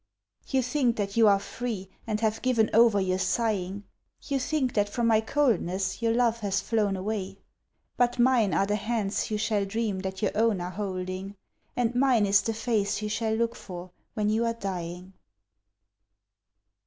You think that you are free and have given over your sighing. You think that from my coldness your love has flown away: But mine are the hands you shall dream that your own are holding, And mine is the face you shall look for when you are dying.